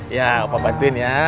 ya opo bantuin ya